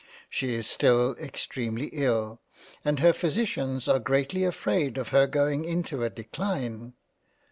She is still extremely ill, and her Physicians are greatly afraid of her going into a Decline.